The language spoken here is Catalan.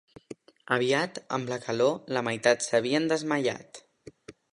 Aviat, amb la calor, la meitat s'havien desmaiat